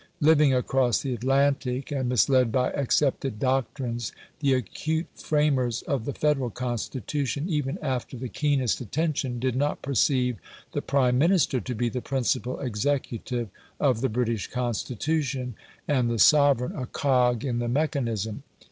Living across the Atlantic, and misled by accepted doctrines, the acute framers of the Federal Constitution, even after the keenest attention, did not perceive the Prime Minister to be the principal executive of the British Constitution, and the sovereign a cog in the mechanism.